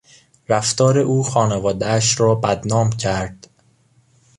رفتار او خانوادهاش را بدنام کرد.